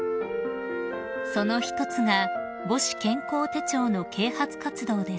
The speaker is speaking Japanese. ［その一つが母子健康手帳の啓発活動です］